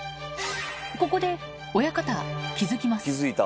ここで、親方気付きます。